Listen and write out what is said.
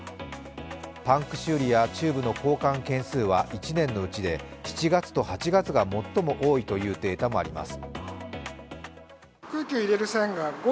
パンク修理やチューブの交換件数は１年のうちで７月と８月が最も多いというデータもあります。